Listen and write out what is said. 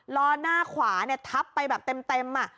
ล้อหน้าขวาเนี่ยทับไปแบบเต็ม